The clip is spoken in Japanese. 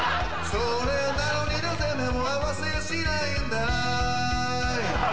それなのになぜ眼も合わせやしないんだい？